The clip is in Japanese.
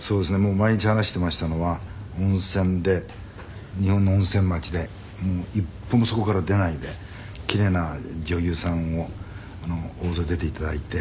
毎日話していましたのは温泉で日本の温泉町で一歩もそこから出ないで奇麗な女優さんを大勢出て頂いて」